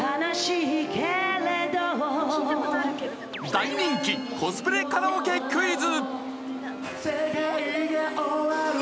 大人気コスプレカラオケクイズ！